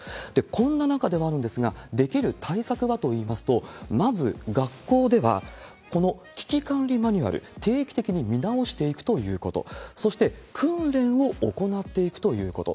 こんな中ではあるんですが、できる対策はといいますと、まず学校では、この危機管理マニュアル、定期的に見直していくということ、そして、訓練を行っていくということ。